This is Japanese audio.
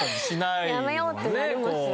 やめようってなりますよね。